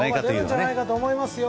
出るんじゃないかと思いますよ。